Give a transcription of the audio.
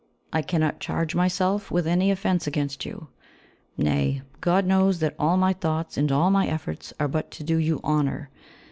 I cannot charge myself with any offence against you. Nay, God knows that all my thoughts and all my efforts are but to do you honour.